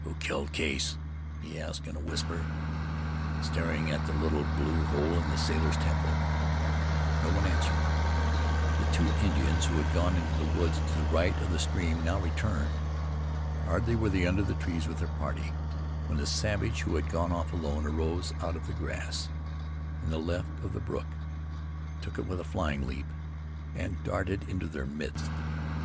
"Who killed Case?" he asked in a whisper, staring at the little blue hole in the sailor's temple. No one answered. The two Indians who had gone into the woods to the right of the stream, now returned. Hardly were they under the trees with their party, when the savage who had gone off alone arose out of the grass in the left of the brook, took it with a flying leap, and darted into their midst.